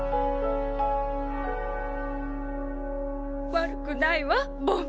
悪くないわボン。